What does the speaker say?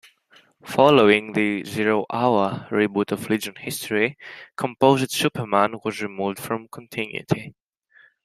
Following the "Zero Hour" reboot of Legion history, Composite Superman was removed from continuity.